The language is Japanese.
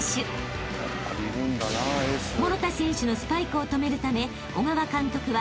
［諸田選手のスパイクを止めるため小川監督は］